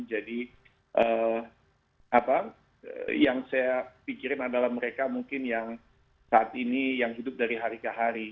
jadi apa yang saya pikirin adalah mereka mungkin yang saat ini yang hidup dari hari ke hari